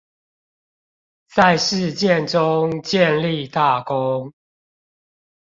在事件中建立大功